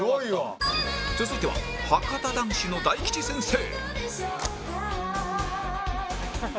続いてははかた男子の大吉先生